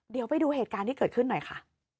เดี๋ยวไปดูเหตุการณ์ที่เกิดขึ้นหน่อยค่ะ